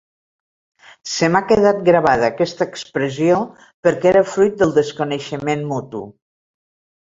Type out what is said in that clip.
Se m’ha quedat gravada aquesta expressió, perquè era fruit del desconeixement mutu.